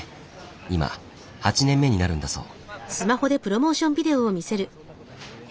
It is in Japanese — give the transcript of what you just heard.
今８年目になるんだそう。